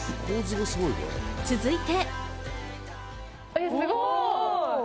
続いて。